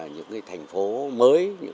những cái thành phố mới